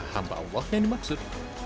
hamba allah yang dimaksud